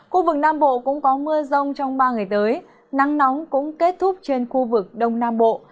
khu vực nam bộ cũng có mưa rông trong ba ngày tới nắng nóng cũng kết thúc trên khu vực đông nam bộ